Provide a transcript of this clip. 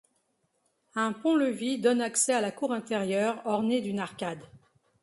Un pont-levis donne accès à la cour intérieure ornée d'une arcade.